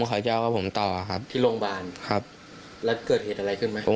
เขาจะกับผมต่อที่โรงพยาบาลแล้วเกิดเหตุอะไรขึ้น